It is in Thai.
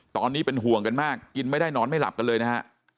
ตอนนี้เป็นห่วงกันมากกินไม่ได้นอนไม่หลับกันเลยนะฮะ